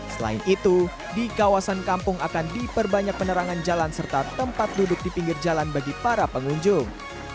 selain itu di kawasan kampung akan diperbanyak penerangan jalan serta tempat duduk di pinggir jalan bagi para pengunjung